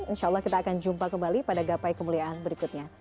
insya allah kita akan jumpa kembali pada gapai kemuliaan berikutnya